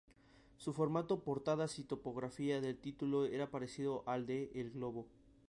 Su formato, portadas y tipografía del título era parecido al de El Globo.